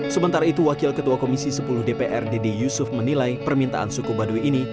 sementara itu wakil ketua komisi sepuluh dpr dede yusuf menilai permintaan suku baduy ini